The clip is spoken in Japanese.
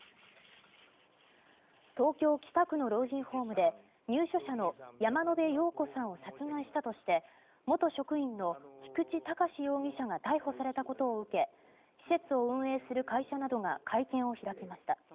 東京・北区の老人ホームで入所者の山野辺陽子さんを殺害したとして元職員の菊池隆容疑者が逮捕されたことを受け施設を運営する会社などが会見を開きました。